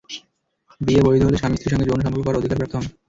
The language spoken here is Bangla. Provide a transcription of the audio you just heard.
বিয়ে বৈধ হলে স্বামী স্ত্রীর সঙ্গে যৌন সম্পর্ক করার অধিকারপ্রাপ্ত হন।